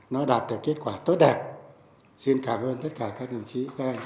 nó đạt được kết quả tốt đẹp xin cảm ơn tất cả các đồng chí